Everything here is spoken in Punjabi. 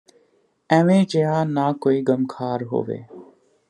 ਐਵੇਂ ਜਿਹਾ ਨਾ ਕੋਈ ਗਮਖਾਰ ਹੋਵੇ